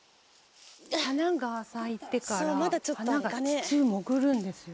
「花が咲いてから花が土に潜るんですよ」